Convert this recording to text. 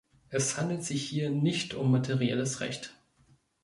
Es handelt sich hier nicht um materielles Recht.